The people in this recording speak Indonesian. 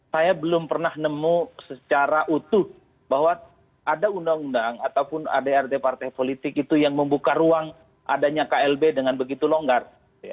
saya belum pernah nemu secara utuh bahwa ada undang undang ataupun adrt partai politik itu yang membuka ruang adanya klb dengan begitu longgar